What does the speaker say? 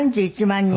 ３１万人。